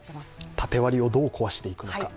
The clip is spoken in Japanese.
縦割りをどう壊していくのか。